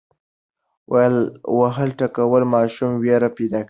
وهل ټکول ماشوم ویره پیدا کوي.